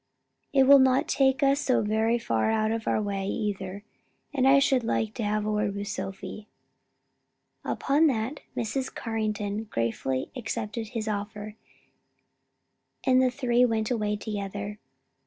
"It will not take us so very far out of our way, either: and I should like to have a word with Sophie." Upon that Mrs. Carrington gratefully accepted his offer, and the three went away together.